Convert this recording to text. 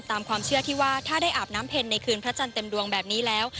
ตามความเชื่อที่ว่าถ้าได้อาบน้ำเพ็ญในคืนพระจันทร์เต็มดวงแบบนี้แล้ว